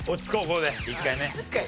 ここで一回ね。